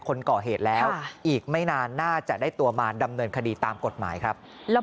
คนก่อเหตุแล้วอีกไม่นานน่าจะได้ตัวมาดำเนินคดีตามกฎหมายครับ